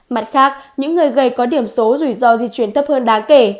mặt khác những người gầy có điểm số rủi ro di chuyển thấp hơn đáng kể